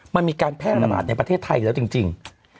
มันมีการแพร่ระบาดในประเทศไทยแล้วจริง